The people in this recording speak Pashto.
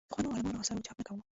پخوانو عالمانو اثارو چاپ نه کوو.